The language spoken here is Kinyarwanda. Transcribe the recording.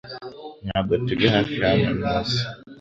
Ntabwo turi hafi hano ntuze